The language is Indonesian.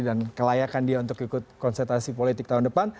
dan kelayakan dia untuk ikut konsentrasi politik tahun depan